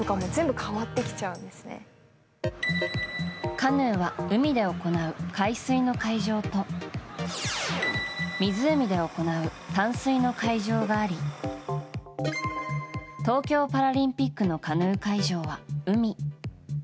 カヌーは海で行う海水の会場と湖で行う淡水の会場があり東京パラリンピックのカヌー会場は海。